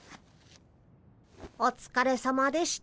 おつかれさまでした。